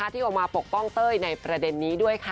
ที่ออกมาปกป้องเต้ยในประเด็นนี้ด้วยค่ะ